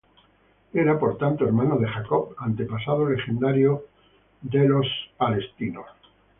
Era, por tanto, hermano de Jacob, antepasado legendario de los israelitas.